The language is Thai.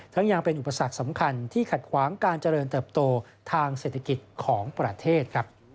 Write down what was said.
ยังเป็นอุปสรรคสำคัญที่ขัดขวางการเจริญเติบโตทางเศรษฐกิจของประเทศ